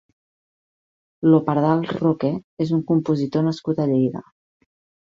Lo pardal roquer és un compositor nascut a Lleida.